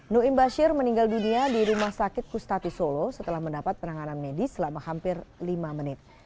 nuim bashir meninggal dunia di rumah sakit pustati solo setelah mendapat penanganan medis selama hampir lima menit